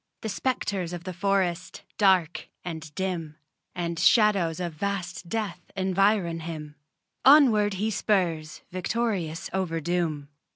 The spectres of the forest, dark and dim, And shadows of vast death environ him Onward he spurs victorious over doom.